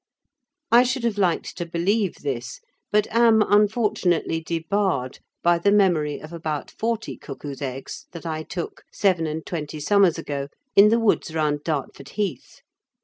I should have liked to believe this, but am unfortunately debarred by the memory of about forty cuckoo's eggs that I took, seven and twenty summers ago, in the woods round Dartford Heath.